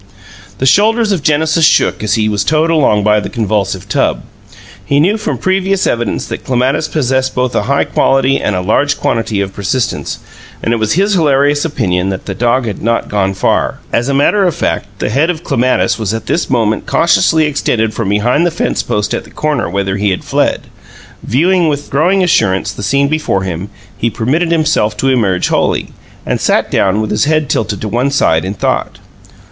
The shoulders of Genesis shook as he was towed along by the convulsive tub. He knew from previous evidence that Clematis possessed both a high quality and a large quantity of persistence, and it was his hilarious opinion that the dog had not gone far. As a matter of fact, the head of Clematis was at this moment cautiously extended from behind the fence post at the corner whither he had fled. Viewing with growing assurance the scene before him, he permitted himself to emerge wholly, and sat down, with his head tilted to one side in thought.